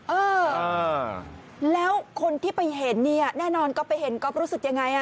เออแล้วคนที่ไปเห็นเนี่ยแน่นอนก๊อปไปเห็นก๊อฟรู้สึกยังไง